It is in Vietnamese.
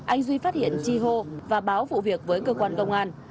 anh duy phát hiện chi hô và báo vụ việc với cơ quan công an